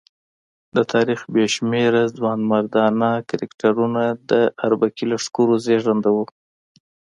د تاریخ بې شمېره ځوانمراده کرکټرونه د اربکي لښکرو زېږنده وو.